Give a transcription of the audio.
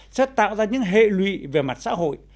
sẽ tạo ra những hệ lụy về mặt xã hội